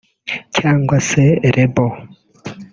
cyangwa se label